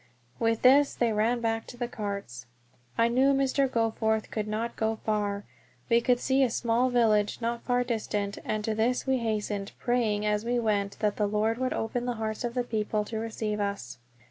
With this they ran back to the carts. I knew Mr. Goforth could not go far. We could see a small village not far distant, and to this we hastened, praying as we went that the Lord would open the hearts of the people to receive us.